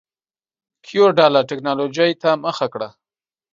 کیو ډله ټکنالوجۍ ته مخه کړه.